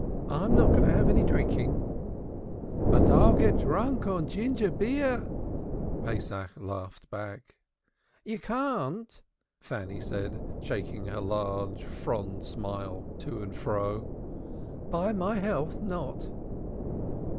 "I am not going to have any drinking.'" "But I'll get drunk on ginger beer," Pesach laughed back. "You can't," Fanny said, shaking her large fond smile to and fro. "By my health, not."